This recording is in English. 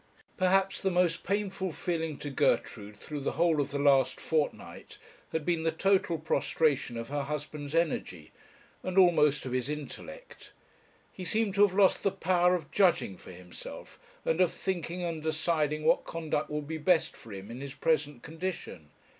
Perhaps the most painful feeling to Gertrude through the whole of the last fortnight had been the total prostration of her husband's energy, and almost of his intellect; he seemed to have lost the power of judging for himself, and of thinking and deciding what conduct would be best for him in his present condition.